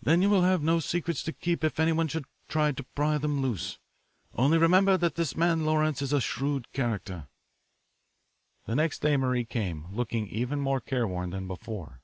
Then you will have no secrets to keep if anyone should try to pry them loose. Only remember that this man Lawrence is a shrewd character." The next day Marie came, looking even more careworn than before.